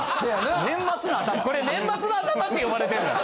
これ年末の頭って呼ばれてんだ。